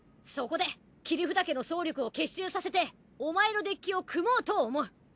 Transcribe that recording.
そこで切札家の総力を結集させてお前のデッキを組もうと思う。